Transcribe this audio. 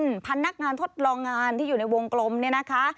พันธุรกิจนักงานทดลองที่อยู่ในวงกรมเนี่ยนะคะ